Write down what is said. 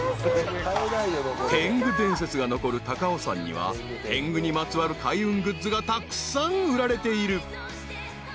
［天狗伝説が残る高尾山には天狗にまつわる開運グッズがたくさん売られている］